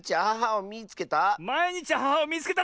「まいにちアハハをみいつけた！」？